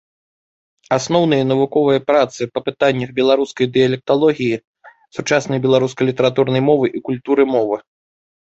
Асноўныя навуковыя працы па пытаннях беларускай дыялекталогіі, сучаснай беларускай літаратурнай мовы і культуры мовы.